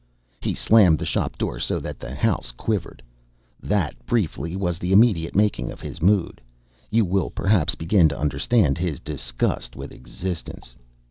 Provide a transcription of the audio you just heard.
He slammed the shop door so that the house quivered. That, briefly, was the immediate making of his mood. You will perhaps begin to understand his disgust with existence.